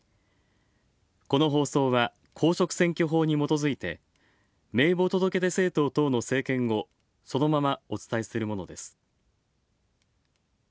この放送は公職選挙法にもとづいて名簿届出政党等の政見をそのままお伝えするものです。